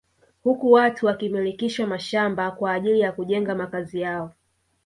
Huku watu wakimilikishwa mashamba kwa ajili ya kujenga makazi yao